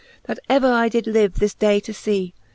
That ever I did live, this day to fee